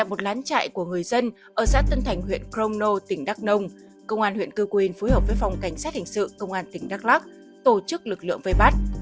ở xã tân thành huyện crono tỉnh đắk nông công an huyện cư quyền phối hợp với phòng cảnh sát hình sự công an tỉnh đắk lắc tổ chức lực lượng vây bắt